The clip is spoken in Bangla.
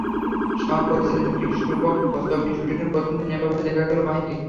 শাওন পরিচালিত কৃষ্ণপক্ষ ছবির শুটিংয়ের প্রথম দিন এভাবেই দেখা গেল মাহিকে।